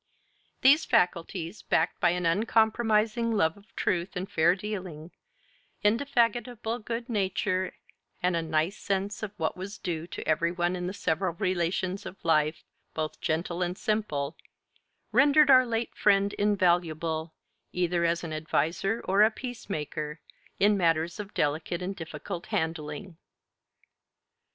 These faculties, backed by an uncompromising love of truth and fair dealing, indefatigable good nature, and a nice sense of what was due to every one in the several relations of life, both gentle and simple, rendered our late friend invaluable, either as an adviser or a peacemaker, in matters of delicate and difficult handling."